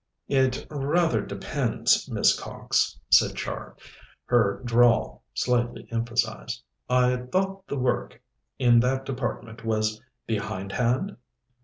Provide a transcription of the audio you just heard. "It rather depends, Miss Cox," said Char, her drawl slightly emphasized. "I thought the work in that department was behindhand?"